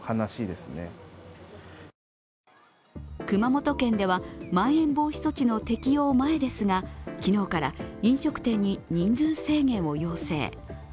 熊本県ではまん延防止措置の適用前ですが昨日から飲食店に人数制限を要請。